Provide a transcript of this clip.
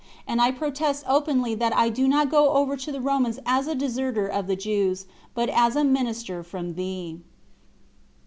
And I protest openly that I do not go over to the Romans as a deserter of the Jews, but as a minister from thee."